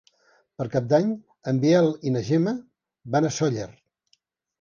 Per Cap d'Any en Biel i na Gemma van a Sóller.